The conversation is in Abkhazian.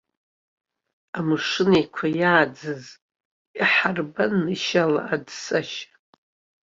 Амшын еиқәа иааӡаз, иҳарба нышьала аӡсашьа!